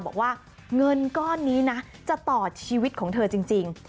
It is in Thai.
บอกว่าเงินก้อนนี้นะจะต่อชีวิตของเธอจริง